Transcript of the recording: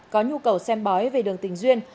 có nhu cầu xem bói về đường tình duyên